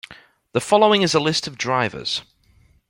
The following is a list of drivers.